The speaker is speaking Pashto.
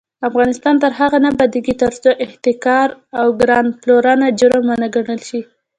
افغانستان تر هغو نه ابادیږي، ترڅو احتکار او ګران پلورنه جرم ونه ګڼل شي.